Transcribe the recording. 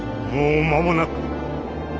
もう間もなく。